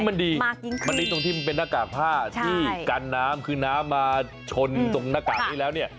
มันดีมันดีตรงที่มันเป็นหน้ากากผ้าที่กันน้ำคือน้ำมาชนตรงหน้ากากนี้แล้วเนี่ย